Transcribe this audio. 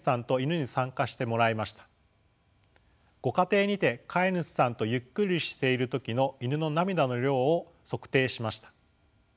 ご家庭にて飼い主さんとゆっくりしている時の犬の涙の量を測定しました。